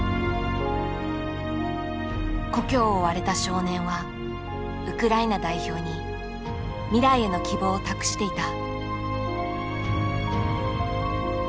故郷を追われた少年はウクライナ代表に未来への希望を託していた。